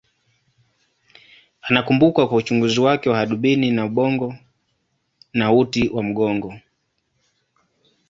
Anakumbukwa kwa uchunguzi wake wa hadubini wa ubongo na uti wa mgongo.